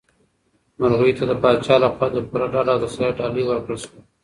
مرغۍ ته د پاچا لخوا د پوره ډاډ او تسلیت ډالۍ ورکړل شوه.